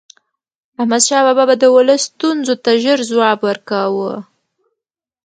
احمد شاه بابا به د ولس ستونزو ته ژر جواب ورکاوه.